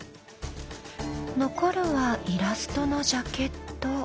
残るはイラストのジャケット。